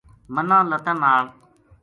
مَنا لَتاں نال